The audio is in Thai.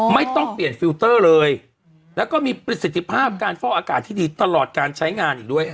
ไม่ต้องเปลี่ยนฟิลเตอร์เลยแล้วก็มีประสิทธิภาพการฟอกอากาศที่ดีตลอดการใช้งานอีกด้วย